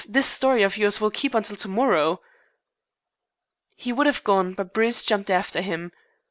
This story of yours will keep until to morrow." He would have gone, but Bruce jumped after him.